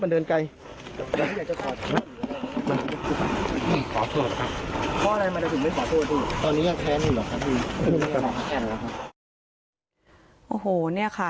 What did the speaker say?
สารอาจจะ